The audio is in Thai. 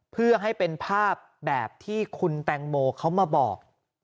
เพื่อให้เป็นภาพแบบที่คุณแตงโมเขามาบอก